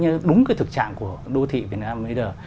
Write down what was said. như đúng cái thực trạng của đô thị việt nam